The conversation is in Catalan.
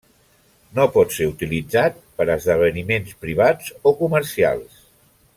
No pot ser utilitzat per a esdeveniments privats o comercials.